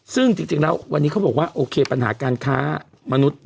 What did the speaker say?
ซึ่งจริงแล้ววันนี้เขาบอกว่าโอเคปัญหาการค้ามนุษย์